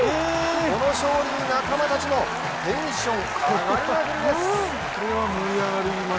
この勝利に仲間たちもテンション上がりまくりです。